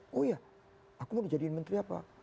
oh iya aku mau dijadiin menteri apa